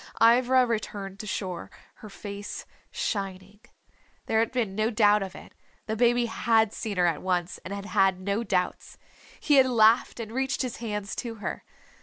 Ivra returned to shore, her face shining. There had been no doubt of it the baby had seen her at once, and had had no doubts. He had laughed and reached his hands to her.